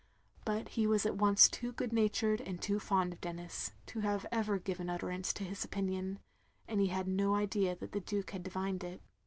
But he was at once too good nattired and too fond of Denis, to have ever given utterance to his opinion; and he had no idea that the Duke had divined it.